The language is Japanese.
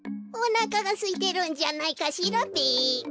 おなかがすいてるんじゃないかしらべ。